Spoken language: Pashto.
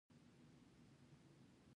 شتمنۍ نابرابرۍ روايت دي.